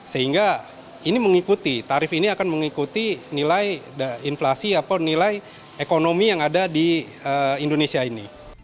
sehingga ini mengikuti tarif ini akan mengikuti nilai inflasi atau nilai ekonomi yang ada di indonesia ini